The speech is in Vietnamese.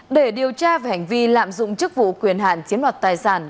để điều tra về hành vi lạm dụng chức vụ quyền hạn chiếm đoạt tài sản